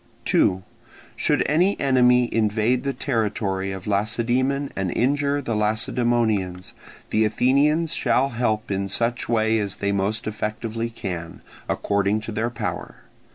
2. Should any enemy invade the territory of Lacedaemon and injure the Lacedaemonians, the Athenians shall help in such way as they most effectively can, according to their power.